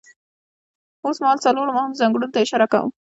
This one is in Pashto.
اوسمهال څلورو مهمو ځانګړنو ته اشاره کوم.